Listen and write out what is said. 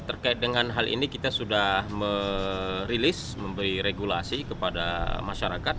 terkait dengan hal ini kita sudah merilis memberi regulasi kepada masyarakat